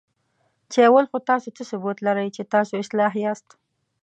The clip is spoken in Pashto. چې اول خو تاسو څه ثبوت لرئ، چې تاسو اصلاح یاست؟